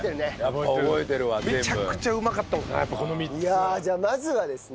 いやじゃあまずはですね